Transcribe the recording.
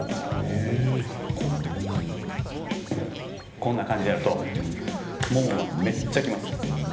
こんな感じでやると、ももがめっちゃきます。